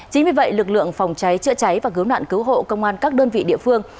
chính vì vậy lực lượng phòng cháy chữa cháy và cứu nạn cứu hộ công an các đơn vị địa phương